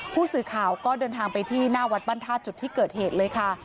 ผู้สื่อข่าวก็เดินทางไปที่หน้าวัดบ้านธาตุจุดที่เกิดเหตุเลยค่ะ